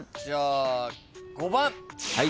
じゃあ５番。